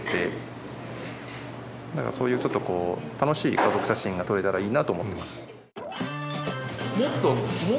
だからそういうちょっとこう楽しい家族写真が撮れたらいいなと思ってます。